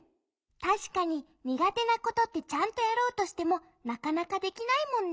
たしかに苦手なことってちゃんとやろうとしてもなかなかできないもんね。